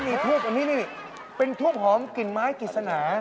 มีทูบอันนี้นี่เป็นทูบหอมกลิ่นไม้กิจสนา